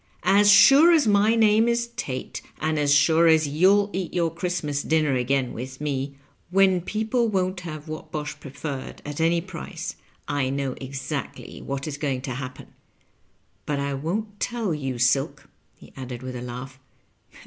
As sure as my name is Tate, and as snre as yon'll eat yonr Christmas dinner again with me, when people won't have Whatbosh Preferred at any price, I know exactly what is going to happen. But I won't teU you, Silk," he added with a laugh.